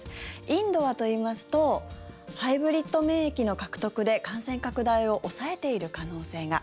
インドはといいますとハイブリッド免疫の獲得で感染拡大を抑えている可能性が。